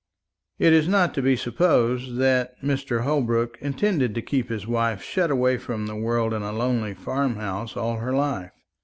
It is not to be supposed that Mr. Holbrook intended to keep his wife shut away from the world in a lonely farm house all her life.